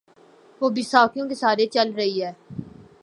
وہ بیساکھیوں کے سہارے چل رہی ہے۔